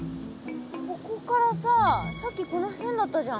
ここからささっきこの線だったじゃん。